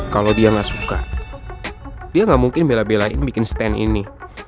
kalau dia nggak suka dia nggak mungkin bela belain bikin stand ini